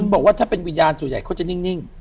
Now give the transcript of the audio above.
บอกว่าถ้าเป็นวิญญาณส่วนใหญ่เขาจะนิ่ง